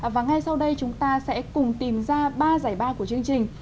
và ngay sau đây chúng ta sẽ cùng tìm ra ba giải ba của chương trình